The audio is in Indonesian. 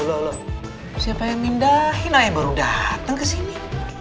lho siapa yang minda in ayah baru datang ke sini